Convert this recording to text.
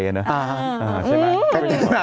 ใช่ไหม